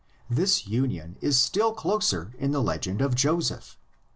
This union is still closer in the legend of Joseph.